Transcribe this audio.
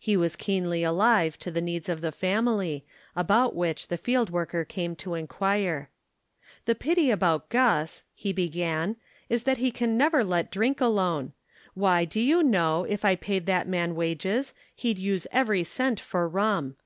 He was keenly alive to the needs of the family, about which the field worker came to inquire. "The pity about Guss, " he began, " is that he can never let drink alone. Why, do you know, if I paid that man wages, he'd use every cent for rum.